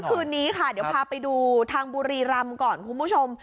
คืนนี้ค่ะเดี๋ยวพาไปดูทางบุรีรำก่อนคุณผู้ชม